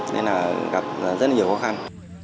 nên gặp rất nhiều khó khăn